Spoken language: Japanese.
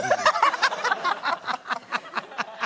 ハハハハハハ。